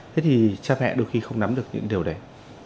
thế thì cha mẹ đôi khi không nắm được những điều đấy